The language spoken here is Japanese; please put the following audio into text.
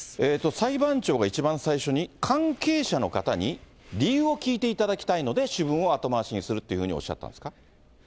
裁判長が一番最初に、関係者の方に理由を聞いていただきたいので、主文は後回しにするというふうにおっしゃったんですか。